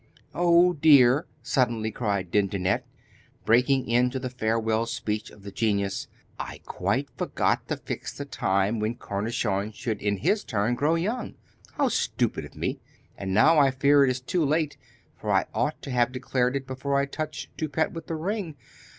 'Oh, dear!' suddenly cried Dindonette, breaking in to the farewell speech of the genius. 'I quite forgot to fix the time when Cornichon should in his turn grow young. How stupid of me! And now I fear it is too late, for I ought to have declared it before I touched Toupette with the ring.